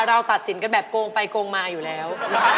เราตัดสินกันแบบโกงไปโกงมาอยู่แล้ว